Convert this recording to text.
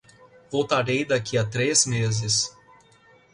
Voltarei daqui a três meses.